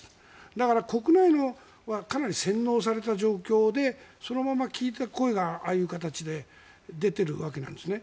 だから国内はかなり洗脳された状況でそのまま聞いた声がああいう形で出ているわけなんですね。